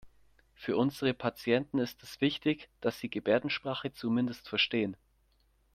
Für unsere Patienten ist es wichtig, dass Sie Gebärdensprache zumindest verstehen.